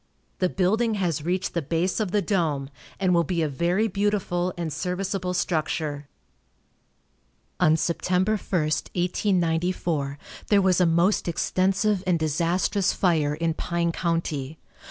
The building has reached the base of the dome, and will be a very beautiful and serviceable structure. On Sept. 1, 1894, there was a most extensive and disastrous fire in Pine county.